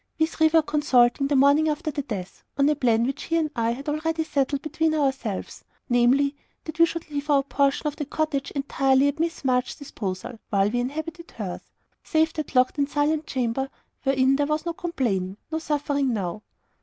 We three were consulting, the morning after the death, on a plan which he and I had already settled between ourselves, namely, that we should leave our portion of the cottage entirely at Miss March's disposal, while we inhabited hers save that locked and silent chamber wherein there was no complaining, no suffering now.